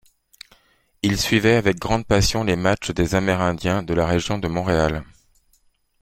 Il suivait avec grande passion les matchs des amérindiens de la région de Montréal.